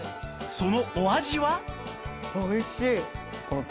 そのお味は？